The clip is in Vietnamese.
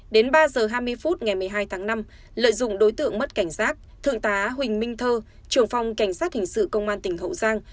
đến ba h hai mươi phút ngày một mươi hai tháng năm lợi dụng đối tượng mất cảnh giác thượng tá huỳnh minh thơ trưởng phòng cảnh sát hình sự công an tỉnh hậu giang